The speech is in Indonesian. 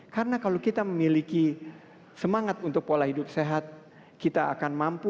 karena kalau kita memiliki semangat untuk bergaya hidup sehat insya allah biaya nanti kesehatan akan menurun